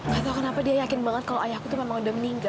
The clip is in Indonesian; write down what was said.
gak tau kenapa dia yakin banget kalau ayahku itu memang udah meninggal